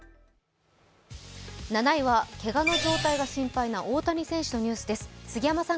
７位はけがの状態が心配な大谷選手のニュースです。